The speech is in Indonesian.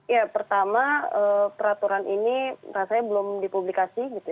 ya pertama peraturan ini rasanya belum dipublikasi gitu ya